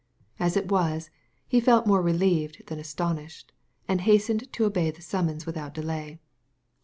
As it was, he felt more relieved than astonished, and hastened to obey the summons with out delay.